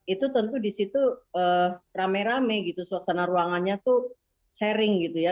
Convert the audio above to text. itu tentu di situ rame rame gitu suasana ruangannya tuh sharing gitu ya